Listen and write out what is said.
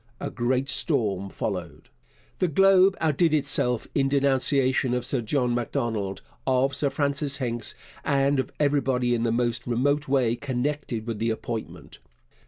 A great storm followed. The Globe outdid itself in denunciation of Sir John Macdonald, of Sir Francis Hincks, and of everybody in the most remote way connected with the appointment.